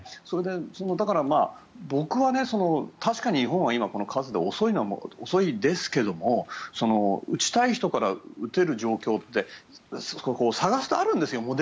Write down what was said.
それで、だから僕は確かに日本は数で遅いのは遅いですけども打ちたい人から打てる状況って探すとあるんですよ。